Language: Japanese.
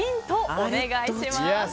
お願いします。